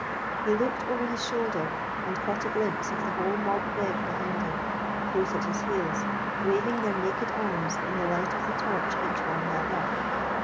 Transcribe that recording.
He looked over his shoulder and caught a glimpse of the whole Mob Beg behind him, close at his heels, waving their naked arms in the light of the torch each one held up.